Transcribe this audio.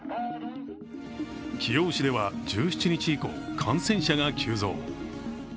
貴陽市では、１７日以降感染者が急増。